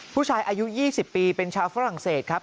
ผู้ชายอายุ๒๐ปีเป็นชาวฝรั่งเศสครับ